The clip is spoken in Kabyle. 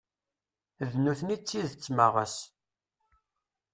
D nutni i d tidett ma ɣas.